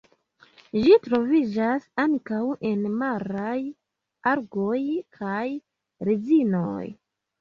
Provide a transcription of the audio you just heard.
Ĝi troviĝas ankaŭ en maraj algoj kaj rezinoj.